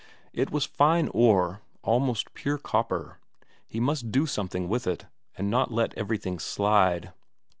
It was fine ore, almost pure copper; he must do something with it, and not let everything slide.